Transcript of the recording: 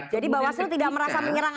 jadi bawaslu tidak merasa menyerang